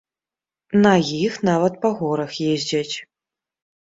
На іх нават па горах ездзяць.